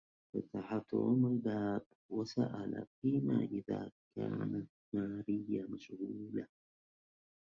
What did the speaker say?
فتح توم الباب وسأل فيما إذا كانت ماريا مشغولة.